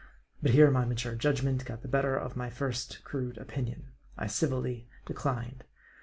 But here my mature judgment got the better of my first crude opinion. I civilly declined.